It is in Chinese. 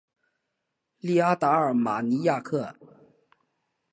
利阿达尔马尼亚克。